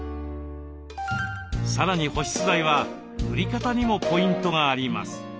さらに保湿剤は塗り方にもポイントがあります。